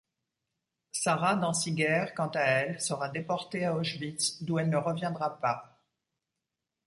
Sarah Danciger, quant à elle, sera déportée à Auschwitz, d'où elle ne reviendra pas.